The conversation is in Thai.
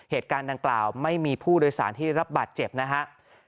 เหตุการณ์ดังกล่าวไม่มีผู้โดยสารที่รับบาดเจ็บนะครับ